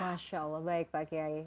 masya allah baik pak kiai